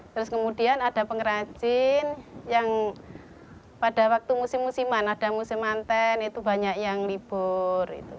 terus kemudian ada pengrajin yang pada waktu musim musiman ada musim anten itu banyak yang libur